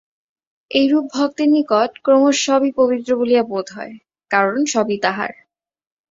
এইরূপ ভক্তের নিকট ক্রমশ সবই পবিত্র বলিয়া বোধ হয়, কারণ সবই তাঁহার।